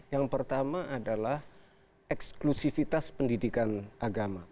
yang pertama adalah eksklusifitas pendidikan agama